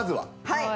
はい。